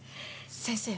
先生。